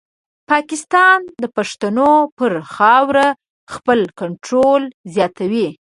پاکستان د پښتنو پر خاوره خپل کنټرول زیاتوي.